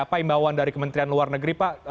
apa imbauan dari kementerian luar negeri pak